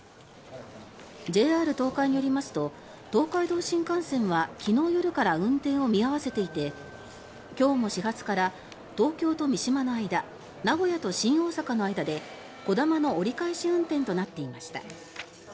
ＪＲ東海によりますと東海道新幹線は昨日夜から運転を見合わせていて今日も始発から東京と三島の間名古屋と新大阪の間でこだまの折り返し運転となっていました。